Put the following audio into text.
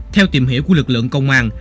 theo tìm hiểu của lực lượng công an